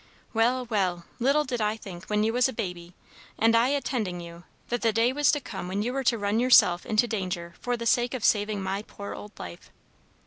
"Well, well! little did I think, when you was a baby, and I a tending you, that the day was to come when you were to run yourself into danger for the sake of saving my poor old life!"